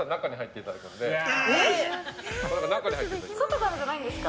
外からじゃないんですか？